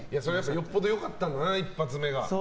よほど良かったんだな一発目が。